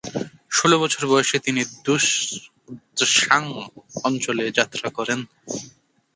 ষোল বছর বয়সে তিনি দ্বুস-গ্ত্সাং অঞ্চলে যাত্রা করেন।